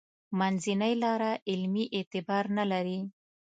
منځنۍ لاره علمي اعتبار نه لري.